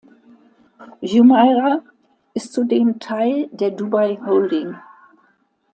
Jumeirah ist zudem Teil der "Dubai Holding".